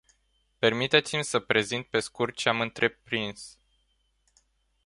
Permiteți-mi să prezint pe scurt ce am întreprins.